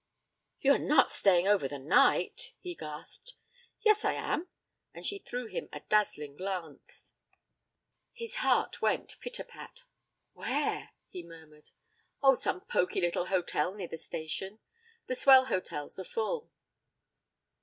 'You are not staying over the night?' he gasped. 'Yes, I am,' and she threw him a dazzling glance. His heart went pit a pat. 'Where?' he murmured. 'Oh, some poky little hotel near the station. The swell hotels are full.'